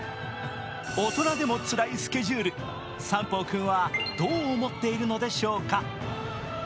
大人でもつらいスケジュール、三宝君はどう思っているのでしょうか。